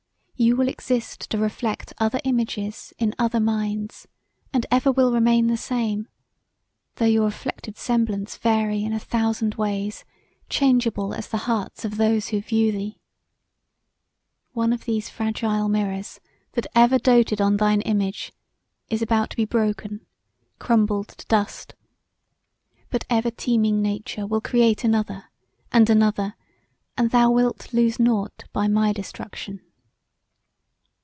You will exist to reflect other images in other minds, and ever will remain the same, although your reflected semblance vary in a thousand ways, changeable as the hearts of those who view thee. One of these fragile mirrors, that ever doted on thine image, is about to be broken, crumbled to dust. But everteeming Nature will create another and another, and thou wilt loose nought by my destruction.